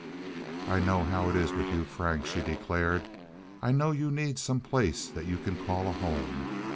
"I know how it is with you, Frank," she declared. "I know you need some place that you can call a home.